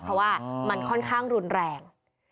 เพราะว่ามันค่อนข้างรุนแรง